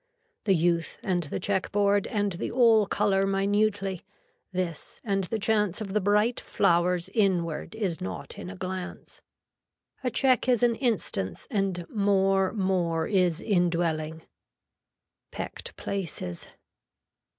The youth and the check board and the all color minutely, this and the chance of the bright flours inward is not in a glance. A check is an instance and more more is indwelling. PECKED PLACES.